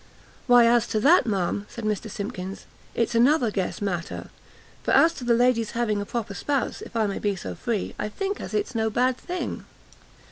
"Why as to that, ma'am," said Mr Simkins, "it's another guess matter, for as to the lady's having a proper spouse, if I may be so free, I think as it's no bad thing."